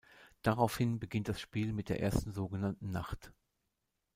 Daraufhin beginnt das Spiel mit der ersten sogenannten Nacht.